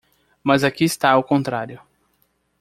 Mas aqui está o contrário.